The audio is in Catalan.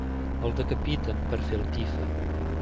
El decapiten per fer el tifa.